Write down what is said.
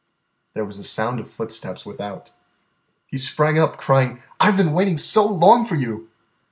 There was a sound of footsteps without. He sprang up, crying, "I 've been waiting so long for you!"